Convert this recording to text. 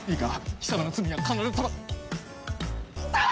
貴様の罪は必ずさばっ。